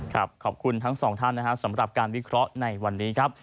ขอบคุณทั้งสองท่านนะครับสำหรับการวิเคราะห์ในวันนี้ครับ